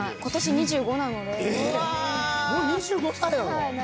もう２５歳なの⁉はい。